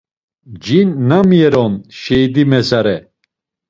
Cin nam yeron şeidi mezare?